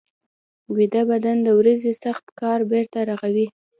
ویده بدن د ورځې سخت کار بېرته رغوي